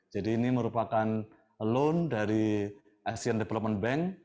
jadi ini merupakan loan dari asian development bank